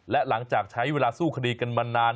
และหลังจากใช้เวลาสู้คดีกันมานาน